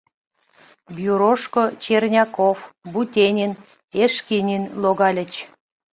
Бюрошко Черняков, Бутенин, Эшкинин логальыч.